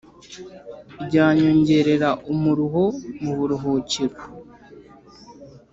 Ryanyongerera umuruho mu buruhukiro.